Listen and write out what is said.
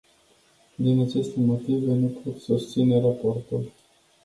Din aceste motive, nu pot susține raportul.